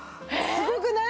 すごくない！？